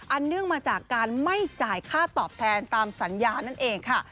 เนื่องมาจากการไม่จ่ายค่าตอบแทนตามสัญญานั่นเองค่ะ